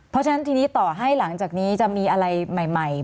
เพราะฉะนั้นทีนี้ต่อให้หลังจากนี้จะมีอะไรใหม่